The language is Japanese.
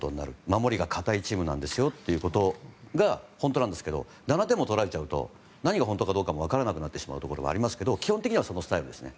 守りが堅いチームなんですよということが本当なんですけど７点も取られちゃうと何が本当かどうかも分からなくなってしまうことがありますが基本的にはそのスタイルです。